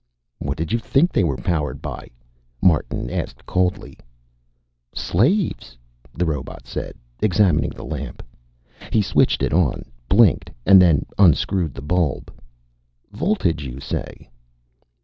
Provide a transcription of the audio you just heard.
"What did you think they were powered by?" Martin asked coldly. "Slaves," the robot said, examining the lamp. He switched it on, blinked, and then unscrewed the bulb. "Voltage, you say?"